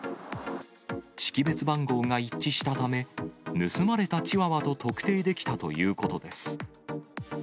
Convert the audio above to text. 識別番号が一致したため、盗まれたチワワと特定できたということです。